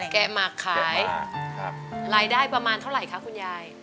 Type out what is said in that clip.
แกะหมักขายรายได้ประมาณเท่าไหร่คะคุณยาย